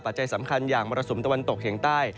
จัยสำคัญอย่างมรสุมตะวันตกเฉียงใต้